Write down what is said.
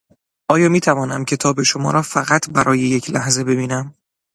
آیا میتوانم کتاب شما را فقط برای یک لحظه ببینم؟